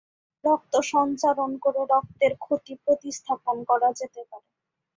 রক্ত সঞ্চারণ করে রক্তের ক্ষতি প্রতিস্থাপন করা যেতে পারে।